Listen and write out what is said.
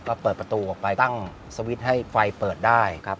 ก็เปิดประตูออกไปตั้งสวิตช์ให้ไฟเปิดได้ครับ